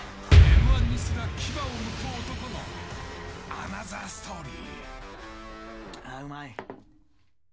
Ｍ−１にすら牙をむく男のアナザーストーリー。